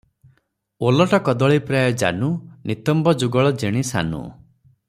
"ଓଲଟ କଦଳୀ ପ୍ରାୟ ଜାନୁ ନିତମ୍ବ ଯୁଗଳ ଜିଣି ସାନୁ ।"